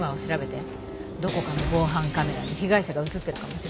どこかの防犯カメラに被害者が映ってるかもしれない。